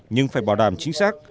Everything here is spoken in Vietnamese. nhưng phải bảo đảm chính xác